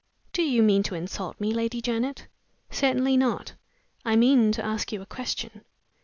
"Do you mean to insult me, Lady Janet?" "Certainly not. I mean to ask you a question."